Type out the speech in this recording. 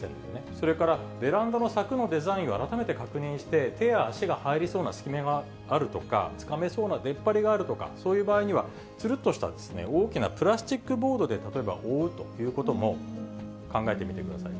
それから、ベランダの柵のデザインを改めて確認して、手や足が入りそうな隙間があるとか、つかめそうな出っ張りがあるとか、そういう場合には、つるっとした大きなプラスチックボードで例えば覆うということも、考えてみてください。